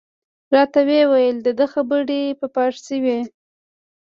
راته ویې ویل د ده خبرې په فارسي وې.